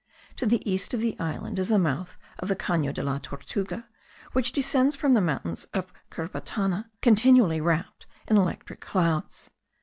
To the east of the island is the mouth of the Cano de la Tortuga, which descends from the mountains of Cerbatana, continually wrapped in electric clouds.